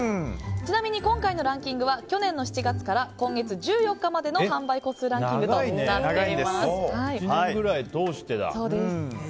ちなみに今回のランキングは去年の７月から今月１４日までの販売個数ランキングと１年ぐらい通してだ。